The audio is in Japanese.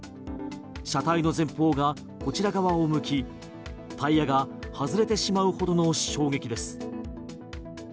車体の前方がこちら側を向きタイヤが外れてしまうほどの衝撃です。